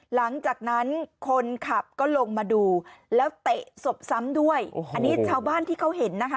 หลังจากนั้นคนขับก็ลงมาดูแล้วเตะศพซ้ำด้วยอันนี้ชาวบ้านที่เขาเห็นนะคะ